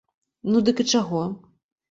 Ну, дык і чаго?